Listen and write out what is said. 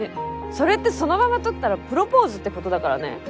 それってそのままとったらプロポーズって事だからね。